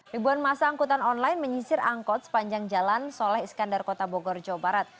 ribuan masa angkutan online menyisir angkot sepanjang jalan soleh iskandar kota bogor jawa barat